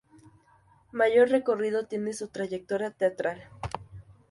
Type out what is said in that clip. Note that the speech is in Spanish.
Mayor recorrido tiene su trayectoria teatral.